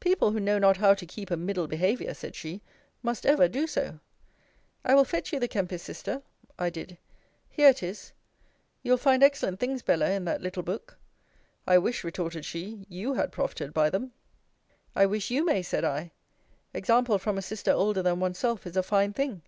People who know not how to keep a middle behaviour, said she, must ever do so. I will fetch you the Kempis, Sister. I did. Here it is. You will find excellent things, Bella, in that little book. I wish, retorted she, you had profited by them. I wish you may, said I. Example from a sister older than one's self is a fine thing.